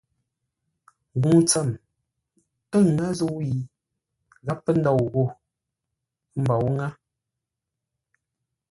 Ŋuu tsəm, ə́ zə̂u yi gháp pə́ ndôu ghô; ə́ mbǒu ŋə́.